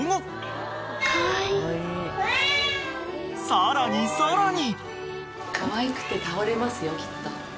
［さらにさらに］